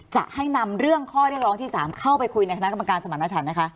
จะให้นำเรื่องข้อเรียกร้องที่๓เข้าไปคุยในคณะกรรมการสมรรถฉันไหมคะ